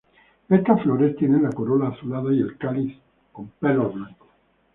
Estas flores tienen la corola azulada y el cáliz con pelos blancos.